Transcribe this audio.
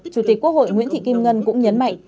chủ tịch quốc hội nguyễn thị kim ngân cũng nhấn mạnh